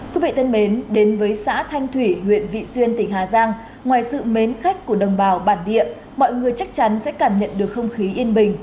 quý vị thân mến đến với xã thanh thủy huyện vị xuyên tỉnh hà giang ngoài sự mến khách của đồng bào bản địa mọi người chắc chắn sẽ cảm nhận được không khí yên bình